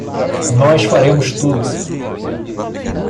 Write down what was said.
Nós faremos tudo.